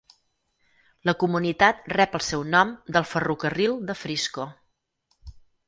La comunitat rep el seu nom del ferrocarril de Frisco.